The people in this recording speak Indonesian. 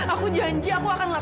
aku janji aku akan lakukan sesuatu